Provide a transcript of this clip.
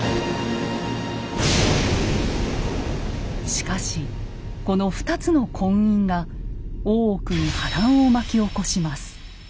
しかしこの２つの婚姻が大奥に波乱を巻き起こします。